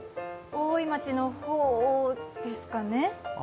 大井町の方ですかね？